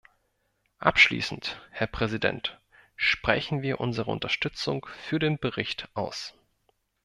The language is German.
Abschließend, Herr Präsident, sprechen wir unsere Unterstützung für den Bericht aus.